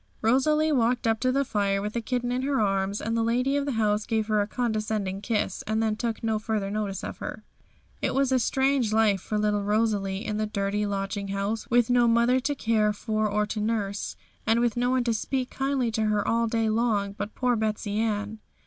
Rosalie walked up to the fire with the kitten in her arms, and the lady of the house gave her a condescending kiss, and then took no further notice of her. It was a strange life for little Rosalie in the dirty lodging house, with no mother to care for or to nurse, and with no one to speak kindly to her all day long but poor Betsey Ann.